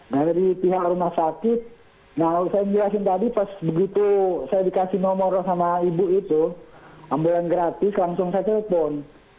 nah dari pihak rumah sakit nah saya jelasin tadi pas begitu saya dikasih nomor sama ibu itu ambulan gratis langsung saya telepon